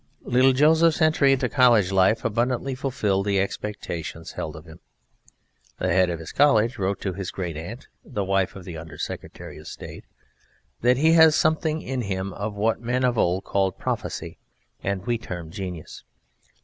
Little Joseph's entry into college life abundantly fulfilled the expectations held of him. The head of his college wrote to his great aunt (the wife of the Under Secretary of State) "... he has something in him of what men of Old called prophecy and we term genius